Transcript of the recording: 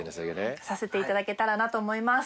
させていただけたらなと思います。